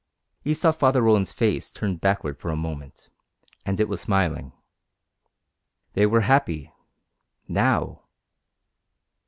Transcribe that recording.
He saw Father Roland's face turned backward for a moment, and it was smiling. They were happy now!